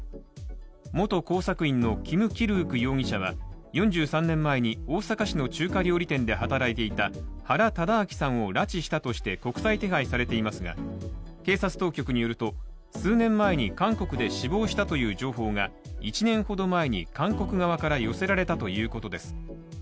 元工作員のキム・キルウク容疑者は４３年前に大阪市の中華料理店で働いていた原敕晁さんを拉致したとして国際手配されていますが、警察当局によると数年前に韓国で死亡したという情報が１年ほど前に韓国側から寄せられたということです。